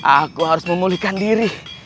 aku harus memulihkan diri